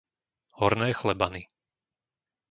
Horné Chlebany